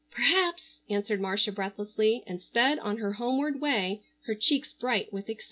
"Perhaps," answered Marcia breathlessly, and sped on her homeward way, her cheeks bright with excitement.